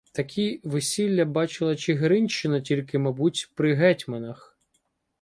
Такі весілля бачила Чигиринщина тільки, мабуть, при гетьманах.